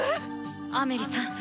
⁉アメリさん